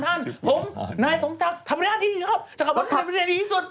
ผมนายสงสัพทำร้ายงานที่นี่ครับจะขับรถในประเทศนี้ที่สุด